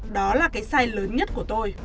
đó là cái sai lớn nhất của tôi